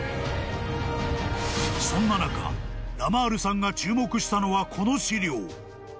［そんな中ラマールさんが注目したのはこの資料］